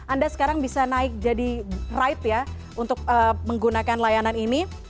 anda sekarang bisa naik jadi ride ya untuk menggunakan layanan ini